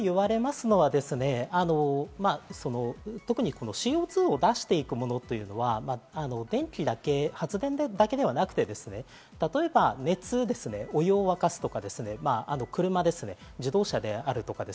よく言われますのは、特にＣＯ２を出していくものっていうのは発言だけではなくて、例えば熱ですね、お湯を沸かすとか、車ですね、自動車であるとか。